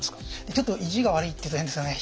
ちょっと意地が悪いっていうと変ですかね。